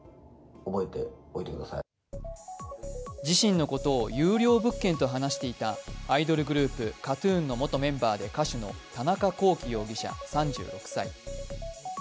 自身のことを優良物件と話していたアイドルグループＫＡＴ−ＴＵＮの元メンバーで歌手の田中聖容疑者３６歳。